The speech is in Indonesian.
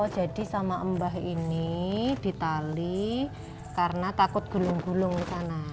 jadi sama mbak ini di tali karena takut gulung gulung di sana